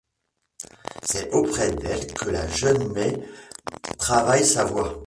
C'est auprès d'elle que la jeune May travaille sa voix.